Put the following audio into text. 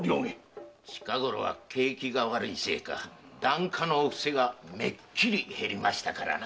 景気が悪いせいか檀家のお布施がめっきり減りましたからな。